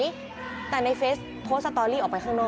เมื่อวานหลังจากโพดำก็ไม่ได้ออกไปไหน